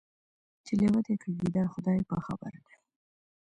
چي لېوه دی که ګیدړ خدای په خبر دی